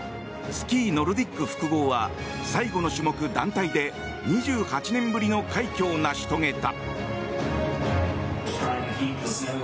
スキー・ノルディック複合は最後の種目、団体で２８年ぶりの快挙を成し遂げた。